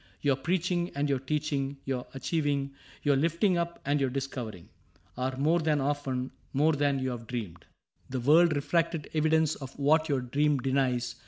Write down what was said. Your preaching and your teaching, your achiev . ing. Your lifting up and your discovering. Are more than often — more than you have dreamed — CAPTAIN CRAIG 69 The world refracted evidence of what Your dream denies.